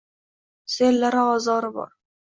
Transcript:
sellar ozori bor